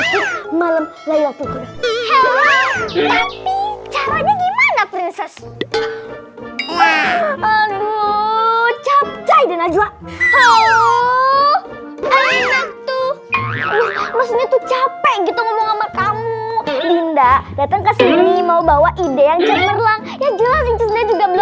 hehehehe ngapain kamu disitu